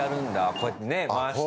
こうやってね、回して。